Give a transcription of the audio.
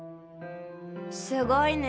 すごいね。